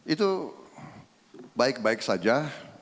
itu baik baik saja